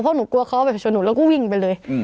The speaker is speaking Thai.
เพราะหนูกลัวเขาแบบชนหนูแล้วก็วิ่งไปเลย